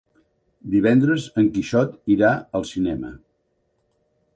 Divendres en Quixot irà al cinema.